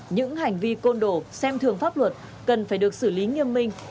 những hành vi côn đồ xem thường pháp luật cần phải được xử lý nghiêm minh